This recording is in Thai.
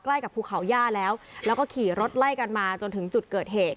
ใกล้กับภูเขาย่าแล้วแล้วก็ขี่รถไล่กันมาจนถึงจุดเกิดเหตุ